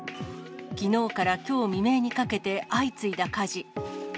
きのうからきょう未明にかけて相次いだ火事。